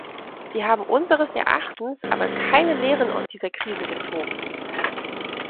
Sie haben unseres Erachtens aber keine Lehren aus dieser Krise gezogen.